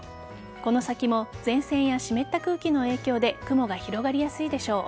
この先も前線や湿った空気の影響で雲が広がりやすいでしょう。